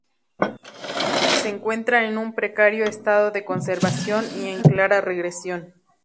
Se encuentra en un precario estado de conservación y en clara regresión.